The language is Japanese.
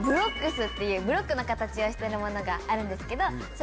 っていうブロックの形をしてるものがあるんですけどそれ。